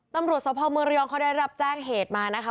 ตำรวจสภเมืองระยองเขาได้รับแจ้งเหตุมานะคะ